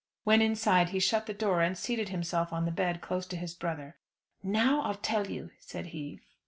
When inside he shut the door, and seated himself on the bed close to his brother. "Now I'll tell you," said he.